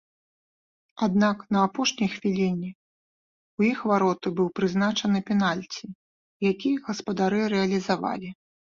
Аднак на апошняй хвіліне ў іх вароты быў прызначаны пенальці, які гаспадары рэалізавалі.